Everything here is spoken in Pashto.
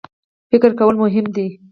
فکر کول مهم دی.